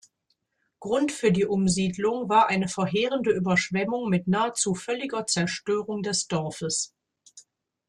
Grund für die Umsiedlung war eine verheerende Überschwemmung mit nahezu völliger Zerstörung des Dorfes.